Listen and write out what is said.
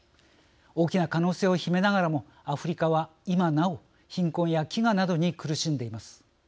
大きな可能性を秘めながらもアフリカは、今なお貧困や飢餓などに苦しんでいます。